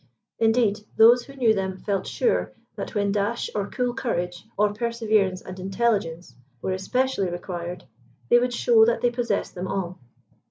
Indeed, those who knew them felt sure that when dash or cool courage, or perseverance and intelligence, were especially required, they would show that they possessed them all.